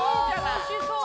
おいしそう。